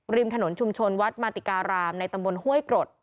ริมถนนชุมชนวัดมาติการามในตำบลห้วยกรด